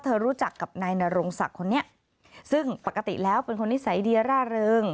รู้จักกับนายนรงศักดิ์คนนี้ซึ่งปกติแล้วเป็นคนนิสัยดีร่าเริง